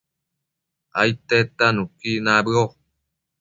aidtedta nuqui nabëo